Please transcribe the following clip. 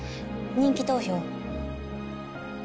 人気投票